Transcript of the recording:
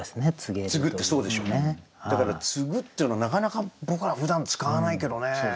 だから「告ぐ」っていうのなかなか僕らふだん使わないけどね。